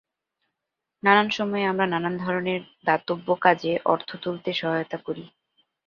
নানান সময়ে আমরা নানা ধরনে দাতব্য কাজে অর্থ তুলতে সহায়তা করি।